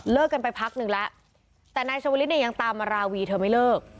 กันไปพักนึงแล้วแต่นายชวลิศเนี่ยยังตามมาราวีเธอไม่เลิก